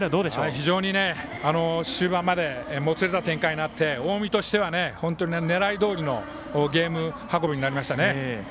非常に終盤までもつれた展開になって近江としては本当狙いどおりのゲーム運びとなりました。